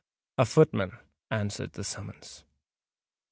A footman answered the summons.